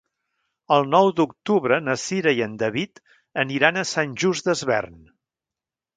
El nou d'octubre na Cira i en David aniran a Sant Just Desvern.